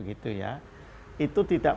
gitu ya itu tidak